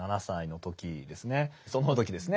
その時ですね